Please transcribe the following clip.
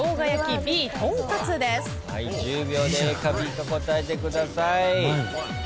１０秒でＡかＢか答えてください。